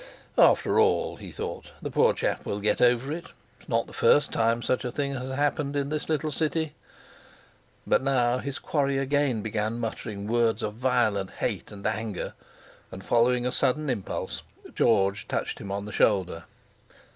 "After all," he thought, "the poor chap will get over it; not the first time such a thing has happened in this little city!" But now his quarry again began muttering words of violent hate and anger. And following a sudden impulse George touched him on the shoulder.